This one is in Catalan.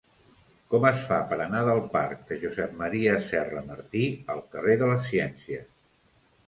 Com es fa per anar del parc de Josep M. Serra Martí al carrer de les Ciències?